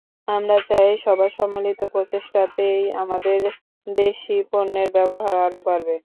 আমরা চাই সবার সম্মিলিত প্রচেষ্টাতেই আমাদের দেশি পণ্যের ব্যবহার আরা বাড়বে।